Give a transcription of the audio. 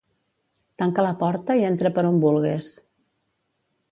Tanca la porta i entra per on vulgues.